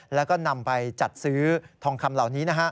แล้วก็นำไปจัดซื้อทองคำเหล่านี้